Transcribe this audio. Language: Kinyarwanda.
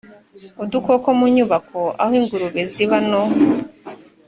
udukoko mu nyubako aho ingurube ziba no